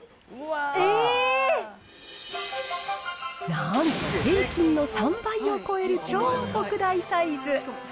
なんと、平均の３倍を超える超特大サイズ。